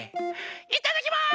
いただきます！